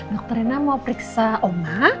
dokter rena mau periksa oma